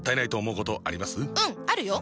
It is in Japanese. うんあるよ！